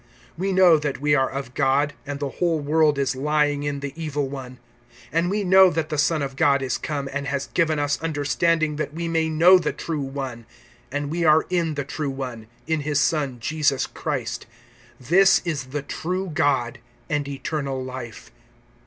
(19)We know that we are of God, and the whole world is lying in the evil one. (20)And we know that the Son of God is come, and has given us understanding, that we may know the True one; and we are in the True One, in his Son Jesus Christ. This is the true God, and eternal life.